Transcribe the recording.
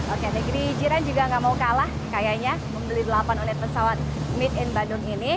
oke negeri jiran juga gak mau kalah kayaknya membeli delapan unit pesawat meet in bandung ini